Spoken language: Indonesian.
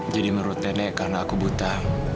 jadi menurut nenek karena aku buta